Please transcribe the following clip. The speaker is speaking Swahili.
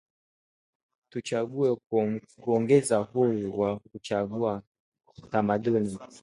Tuchague kuongeza uhuru wa kuchagua tamaduni